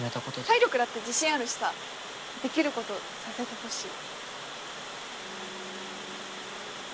体力だって自信あるしさできることさせてほしい。